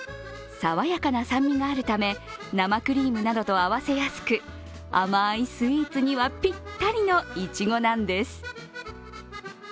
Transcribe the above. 爽やかな酸味があるため生クリームなどと合わせやすく甘いスイーツにはぴったりのいちごなんです。